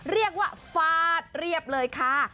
เรียกว่าฟาดเรียบเลยค่ะ